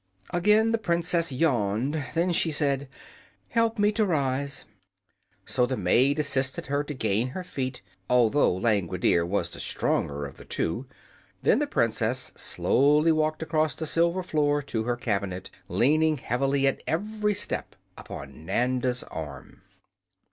Again the Princess yawned. Then she said: "Help me to rise." So the maid assisted her to gain her feet, although Langwidere was the stronger of the two; and then the Princess slowly walked across the silver floor to her cabinet, leaning heavily at every step upon Nanda's arm.